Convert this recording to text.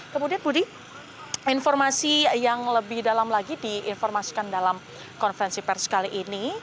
kemudian budi informasi yang lebih dalam lagi diinformasikan dalam konferensi pers kali ini